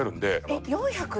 えっ４００！？